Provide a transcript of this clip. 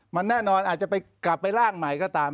มันแน่นอนอาจจะไปกลับไปร่างใหม่ก็ตาม